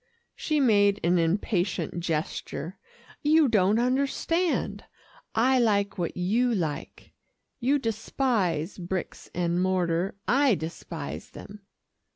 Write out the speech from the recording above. She made an impatient gesture. "You don't understand. I like what you like. You despise bricks and mortar, I despise them."